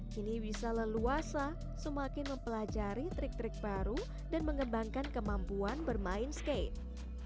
kini bisa leluasa semakin mempelajari trik trik baru dan mengembangkan kemampuan bermain skate